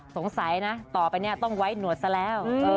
สงสัยนะต่อไปเนี่ยต้องไว้หนวดซะแล้ว